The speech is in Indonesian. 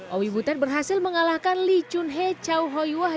owi butet berhasil mengalahkan li chun he chau hoi wah